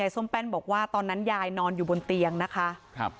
ส้มแป้นบอกว่าตอนนั้นยายนอนอยู่บนเตียงนะคะครับ